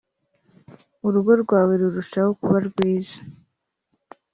urugo rwawe rurushaho kuba rwiza